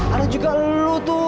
ada juga lu tuh